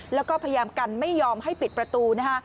แล้วก็พยายามกันไม่ยอมให้ปิดประตูนะคะ